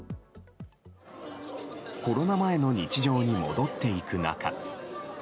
コロナ前の日常に戻っていく中